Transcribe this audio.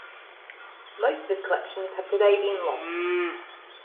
Most of his collections have today been lost.